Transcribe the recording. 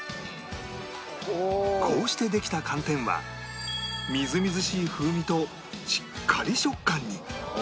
こうしてできた寒天はみずみずしい風味としっかり食感に